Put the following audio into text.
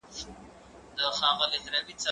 زه به سبا انځور ګورم وم،